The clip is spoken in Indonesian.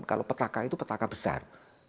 kalau petaka itu petaka besar